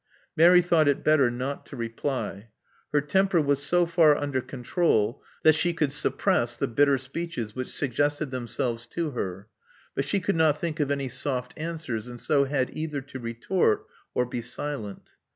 Mary thought it better not to reply. Her temper was so far under control that she could suppress the bitter speeches which suggested themselves to her; but she could not think of any soft answers, and so had either to retort or be silent.